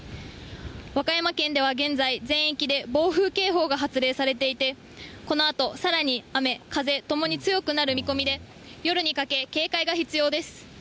和歌山県では現在、全域で暴風警報が発令されていて、このあとさらに雨風ともに、強くなる見込みで、夜にかけ、警戒が必要です。